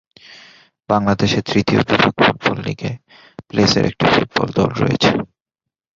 বাংলাদেশের তৃতীয় বিভাগ ফুটবল লিগে প্রেসের একটি ফুটবল দল রয়েছে।